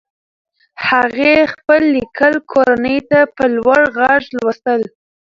هغې خپل لیکل کورنۍ ته په لوړ غږ لوستل.